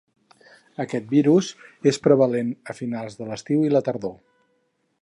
Aquest virus és prevalent a finals de l'estiu i la tardor.